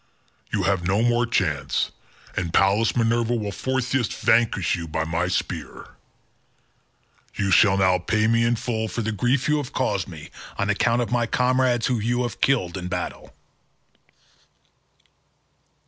You have no more chance, and Pallas Minerva will forthwith vanquish you by my spear: you shall now pay me in full for the grief you have caused me on account of my comrades whom you have killed in battle."